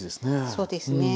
そうですね。